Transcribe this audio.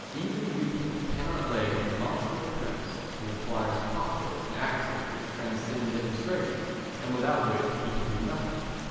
Even Euclid cannot lay a demonstrable premise, he requires postulates and axioms which transcend demonstration and without which he can do nothing.